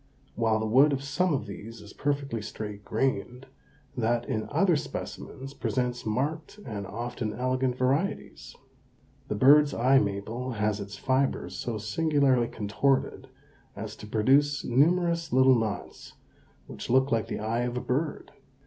While the wood of some of these is perfectly straight grained, that in other specimens presents marked and often elegant varieties. The bird's eye maple has its fibers so singularly contorted as to produce numerous little knots which look like the eye of a bird.